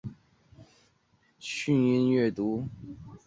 训借借用汉字对应于韩语的意字进行训音阅读。